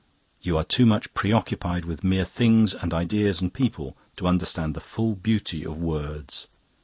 You are too much preoccupied with mere things and ideas and people to understand the full beauty of words.